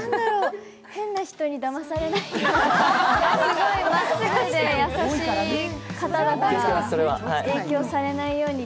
変な人にだまされないように。